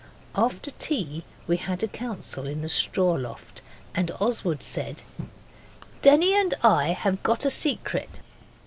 After tea we called a council in the straw loft, and Oswald said 'Denny and I have got a secret.